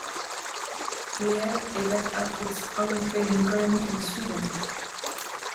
Brielle even had its own trading colony in Sweden.